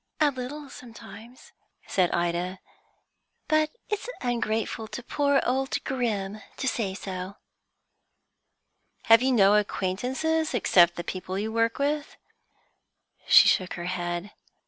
"A little, sometimes," said Ida. "But it's ungrateful to poor old Grim to say so." "Have you no acquaintances except the people you work with?" She shook her head.